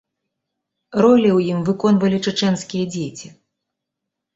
Ролі ў ім выконвалі чэчэнскія дзеці.